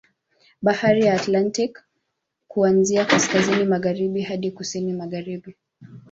Bahari ya Atlantik kuanzia kaskazini magharibi hadi kusini magaharibi